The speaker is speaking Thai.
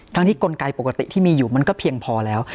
ทั้งที่กลไกปกติที่มีอยู่มันก็เพียงพอแล้ว